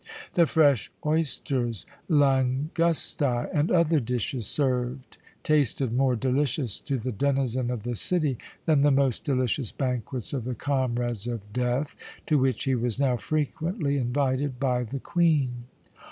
The fresh oysters, langustæ, and other dishes served tasted more delicious to the denizen of the city than the most delicious banquets of the "Comrades of Death" to which he was now frequently invited by the Queen.